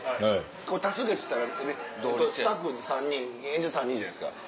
多数決したらスタッフ３人演者３人じゃないですか。